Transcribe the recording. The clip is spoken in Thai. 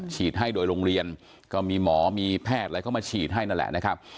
ฉีดให้โดยโรงเรียนก็มีหมอมีแพทย์อะไรเข้ามาฉีดให้นั่นแหละนะครับ